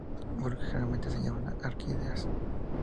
Vulgarmente se llaman orquídeas.